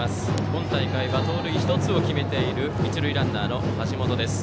今大会は盗塁１つを決めている一塁ランナーの橋本です。